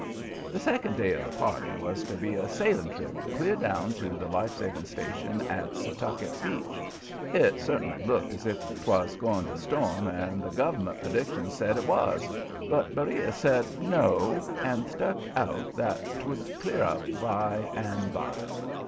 The second day of the "party" was to be a sailing trip clear down to the life saving station on Setuckit Beach. It certainly looked as if 'twas going to storm, and the Gov'ment predictions said it was, but Beriah said "No," and stuck out that 'twould clear up by and by.